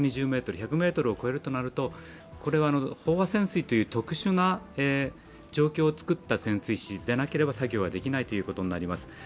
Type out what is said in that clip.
１００ｍを超えるとなると、飽和潜水ということでは、特殊な状況を作った潜水士でないと作業はできないことになります。